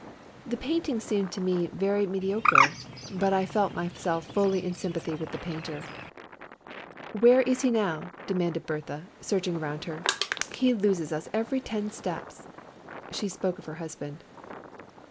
The painting seemed to me very me diocre, but I felt myself fully in sympathy with the painter. " Where is he now ?" suddenly demanded Berthe, searching around her. "lie loses us every ten steps." She spoke of her husband.